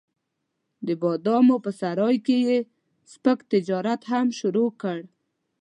د بادامو په سرای کې یې سپک تجارت هم شروع کړ.